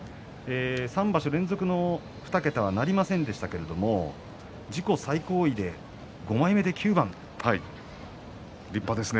３場所連続の２桁はなりませんでしたが自己最高位で５枚目で９番です。